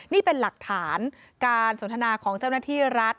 นี่เป็นหลักฐานการสนทนาของเจ้าหน้าที่รัฐ